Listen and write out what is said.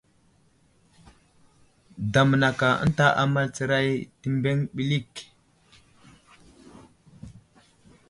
Damnaka ənta amal tsəray təbeŋ ɓəlik.